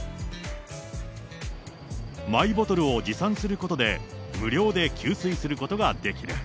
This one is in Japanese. マイボトルを持参することで、無料で給水することができる。